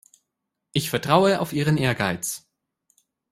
Ich vertraue auf Ihren Ehrgeiz.